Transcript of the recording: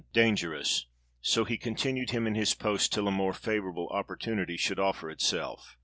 dangerous, so he continued him in his post till a more favourable opportunity should offer itself.